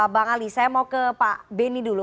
bang ali saya mau ke pak beni dulu